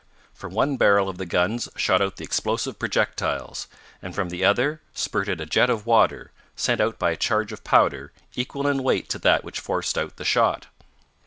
From one barrel of the guns shot out the explosive projectiles, and from the other spurted a jet of water, sent out by a charge of powder, equal in weight to that which forced out the shot.